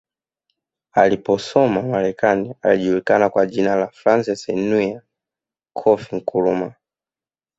Aliposoma Marekani alijulikana kwa jina la Francis Nwia Kofi Nkrumah